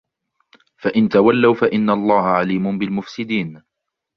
فإن تولوا فإن الله عليم بالمفسدين